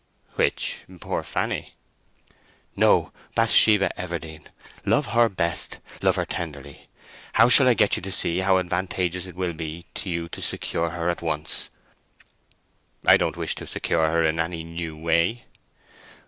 "Which, poor Fanny?" "No; Bathsheba Everdene. Love her best! Love her tenderly! How shall I get you to see how advantageous it will be to you to secure her at once?" "I don't wish to secure her in any new way."